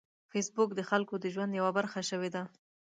فېسبوک د خلکو د ژوند یوه برخه شوې ده